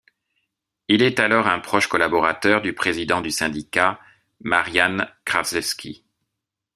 Il est alors un proche collaborateur du président du syndicat, Marian Krzaklewski.